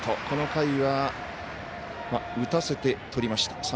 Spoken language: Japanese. この回は打たせてとりました。